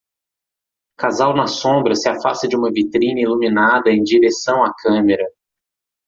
Casal na sombra se afasta de uma vitrine iluminada em direção à câmera